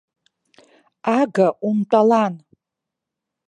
Ага умтәалан.